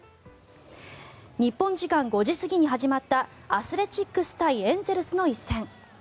日本時間５時過ぎに始まったアスレチックス対エンゼルスの一戦。